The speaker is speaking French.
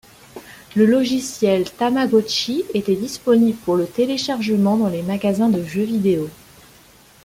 Le logiciel Tamagotchi était disponible pour le téléchargement dans les magasins de jeux vidéo.